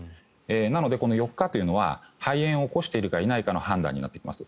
なので、この４日というのは肺炎を起こしているかどうかの判断になってきます。